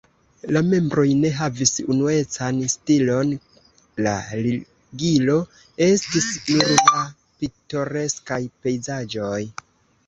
La membroj ne havis unuecan stilon, la ligilo estis nur la pitoreskaj pejzaĝoj.